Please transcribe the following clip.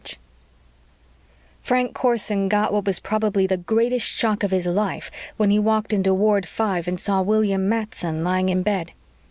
3 Frank Corson got what was possibly the greatest shock of his life when he walked into Ward Five and saw William Matson lying in bed.